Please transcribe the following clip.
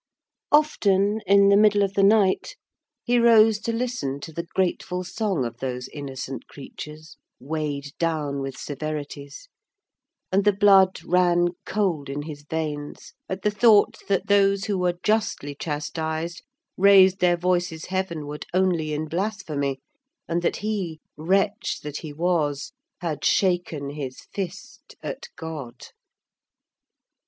Often, in the middle of the night, he rose to listen to the grateful song of those innocent creatures weighed down with severities, and the blood ran cold in his veins at the thought that those who were justly chastised raised their voices heavenward only in blasphemy, and that he, wretch that he was, had shaken his fist at God.